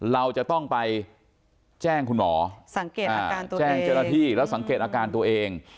เราจะต้องไปแจ้งคุณหมอแจ้งเจราชีพแล้วสังเกตอาการตัวเอง